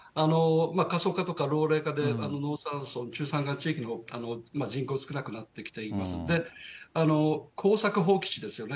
過疎化とか老齢化で、農山村、中山間地域の人口少なくなってきていますので、耕作放棄地ですよね。